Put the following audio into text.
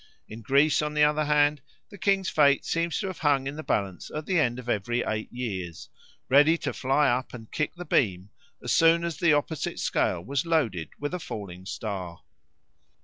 In Greece, on the other hand, the king's fate seems to have hung in the balance at the end of every eight years, ready to fly up and kick the beam as soon as the opposite scale was loaded with a falling star.